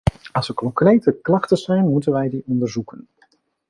Als er concrete klachten zijn, moeten wij die onderzoeken.